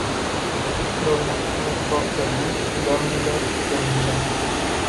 Vă mulțumesc foarte mult, doamnelor și domnilor.